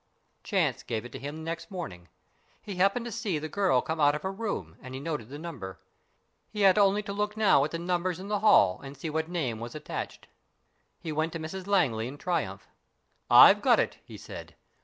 Chance gave it to him next morning. He happened to see the girl come out of her room, and he noted the number. He had only to look now at the numbers in the hall and see what name was attached. He went to Mrs Langley in triumph. " I've got it," he said.